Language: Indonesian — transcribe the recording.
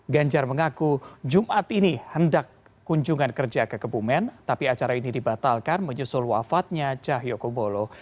ganjar mengaku jumat ini hendak kunjungan kerja ke kebumen tapi acara ini dibatalkan menyusul wafatnya cahyokumolo